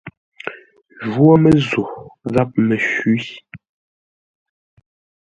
Jwó Mə́zô gháp Məshwî.